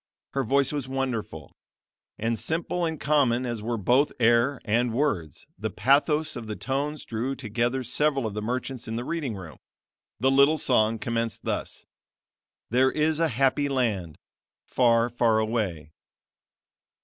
Her voice was wonderful; and simple and common as were both air and words, the pathos of the tones drew together several of the merchants in the reading room. The little song commenced thus: "There is a happy land, Far, far away."